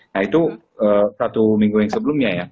nah itu satu minggu yang sebelumnya ya